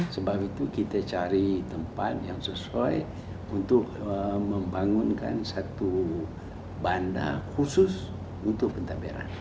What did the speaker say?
sebab itu kita cari tempat yang sesuai untuk membangunkan satu banda khusus untuk pentabera